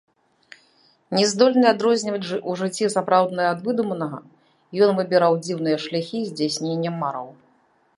Не здольны адрозніваць у жыцці сапраўднае ад выдуманага, ён выбіраў дзіўныя шляхі здзяйснення мэраў.